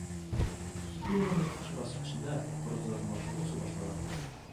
Суутуунун экинчи баскычында короздордун машыгуусу башталат.